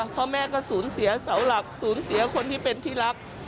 พ่อแม่ก็สูญเสียเสาหลักสูญเสียคนที่เป็นที่รัก